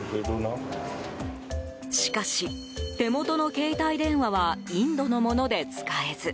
しかし、手元の携帯電話はインドのもので使えず。